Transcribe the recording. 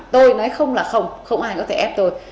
tôi nói không là không không ai có thể ép tôi